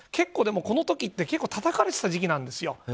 でも、この時って結構、たたかれていた時期なんです。